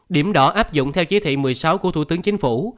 điểm đỏ áp dụng theo chỉ thị một mươi sáu của thủ tướng chính phủ